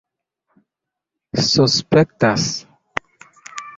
suspektas